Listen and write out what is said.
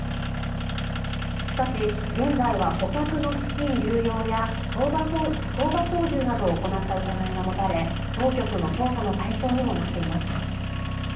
しかし、現在は顧客の資金流用や相場操縦などを行った疑いが持たれ当局の捜査の対象にもなっています。